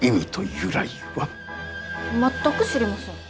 全く知りません。